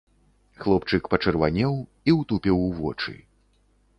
Хлопчык пачырванеў і ўтупіў вочы.